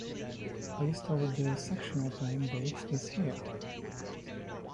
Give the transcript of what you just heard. A list of the section opening dates is here.